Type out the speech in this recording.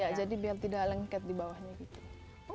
ya jadi biar tidak lengket di bawahnya gitu